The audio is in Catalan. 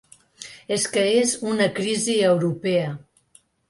És que és una crisi europea.